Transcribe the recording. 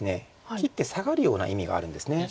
切ってサガるような意味があるんです。